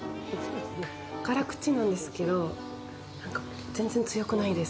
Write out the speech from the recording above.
辛口なんですけど全然強くないです。